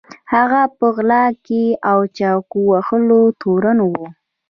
هغه په غلا او چاقو وهلو تورن و.